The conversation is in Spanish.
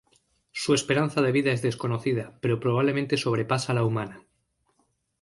Su esperanza de vida es desconocida, pero probablemente sobrepasa a la humana.